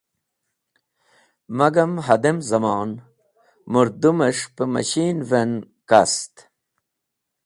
Magam, hadem zamon, mũrdũmes̃h pẽ mashin’v en kast.